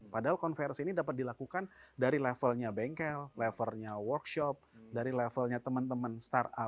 padahal konversi ini dapat dilakukan dari levelnya bengkel levelnya workshop dari levelnya teman teman startup